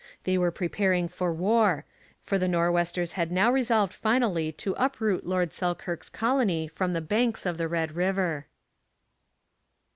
They were preparing for war, for the Nor'westers had now resolved finally to uproot Lord Selkirk's colony from the banks of the Red River.